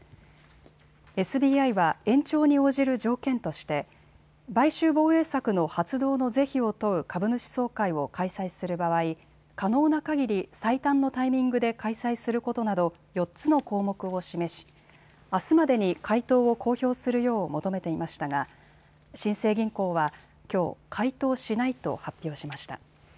ＳＢＩは延長に応じる条件として買収防衛策の発動の是非を問う株主総会を開催する場合、可能なかぎり最短のタイミングで開催することなど４つの項目を示しあすまでに回答を公表するよう求めていましたが新生銀行はきょう、回答しないと発表しました。